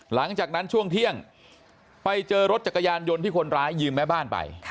หลังจากนั้นช่วงเที่ยงไปเจอรถจักรยานยนต์ที่คนร้ายยืมแม่บ้านไป